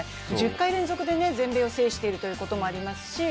１０回連続で全米を制しているということもありますし。